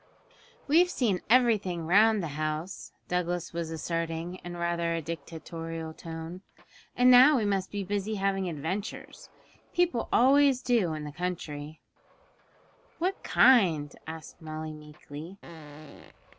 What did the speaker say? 'We've seen everything round the house,' Douglas was asserting in rather a dictatorial tone; 'and now we must be busy having adventures people always do in the country.' 'What kind?' asked Molly meekly.